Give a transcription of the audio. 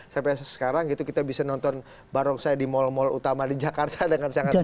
sampai sekarang gitu kita bisa nonton barongsai di mal mal utama di jakarta dengan sangat baik